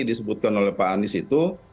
disebutkan oleh pak anies itu